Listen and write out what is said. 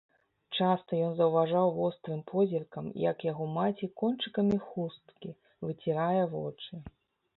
Часта ён заўважаў вострым позіркам, як яго маці кончыкамі хусткі выцірае вочы.